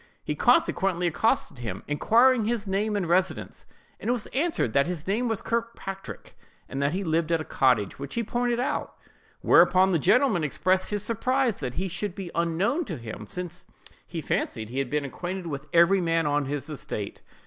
He consequently accosted him, inquiring his name and residence; and was answered that his name was Kirkpatrick, and that he lived at a cottage, which he pointed out. Whereupon the gentleman expressed his surprise that he should be unknown to him, since he fancied he had been acquainted with every man on his estate.